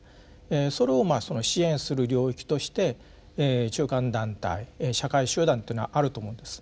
それを支援する領域として中間団体社会集団というのはあると思うんです。